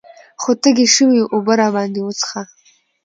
خو تږي شوي يو اوبۀ راباندې وڅښوه ـ